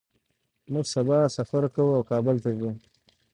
موږ سبا سفر کوو او کابل ته ځو